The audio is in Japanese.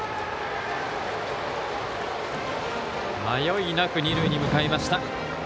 迷いなく二塁に向かいました。